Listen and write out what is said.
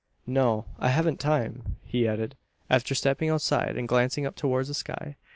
"No, I hevn't time," he added, after stepping outside and glancing up towards the sky.